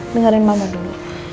dengarin mama dulu